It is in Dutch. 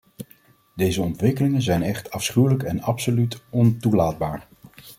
Deze ontwikkelingen zijn echt afschuwelijk en absoluut ontoelaatbaar!